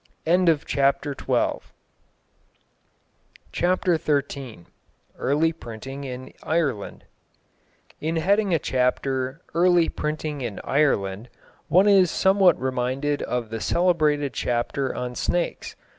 CHAPTER XIII EARLY PRINTING IN IRELAND In heading a chapter "Early Printing in Ireland," one is somewhat reminded of the celebrated chapter on snakes.